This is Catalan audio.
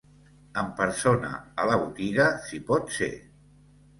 En persona a la botiga si pot ser.